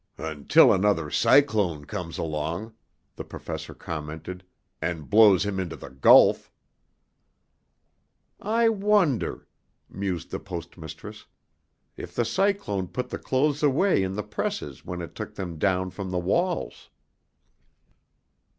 '" "Until another cyclone comes along," the Professor commented, "and blows him into the Gulf." "I wonder," mused the Post Mistress, "if the cyclone put the clothes away in the presses when it took them down from the walls."